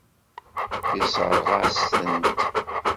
Yessṛeɣ-as-tent.